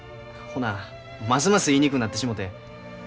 ほなますます言いにくうなってしもて。